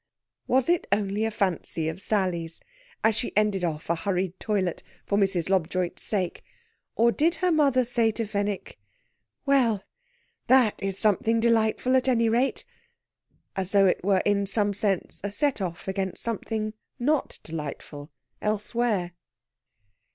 Was it only a fancy of Sally's, as she ended off a hurried toilet, for Mrs. Lobjoit's sake, or did her mother say to Fenwick, "Well! that is something delightful, at any rate"? As though it were in some sense a set off against something not delightful elsewhere.